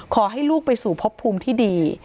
ขอให้ลูกไปสู่พบภูมิที่ดี